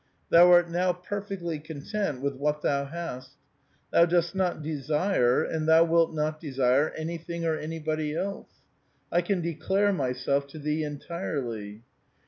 Thou art now perfectly content with what thou hast. Thou dost not desire, and thou wilt not desire, anything or anybody else. I can declare myself to thee entirelv."